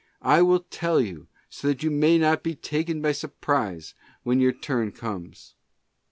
I will tell you, so that you may not be taken by surprise, when your turn comes.